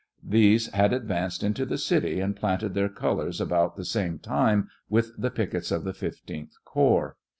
These had advanced into the city and planted their colors about the same time with the pickets of the 15th corps.